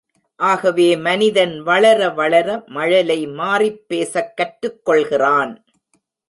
ஆகவே மனிதன் வளர வளர மழலை மாறிப் பேசக் கற்றுக் கொள்கிறான்.